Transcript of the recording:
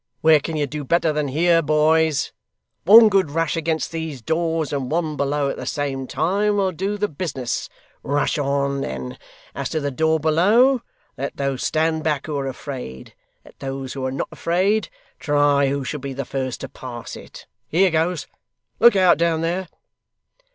Where can you do better than here, boys! One good rush against these doors and one below at the same time, will do the business. Rush on, then! As to the door below, let those stand back who are afraid. Let those who are not afraid, try who shall be the first to pass it. Here goes! Look out down there!